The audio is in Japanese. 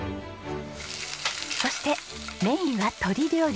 そしてメインは鶏料理。